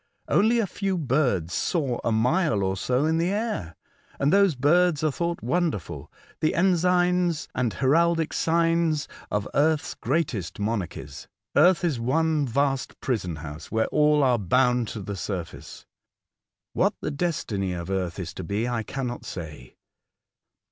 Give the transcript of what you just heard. Only a few birds soar a mile or so in the air, and those birds are thought wonderful, the ensigns and heraldic signs of earth's greatest monarchies. Earth is one vast prison house, where all are bound to the surface. " What the destiny of earth is to be I cannot say.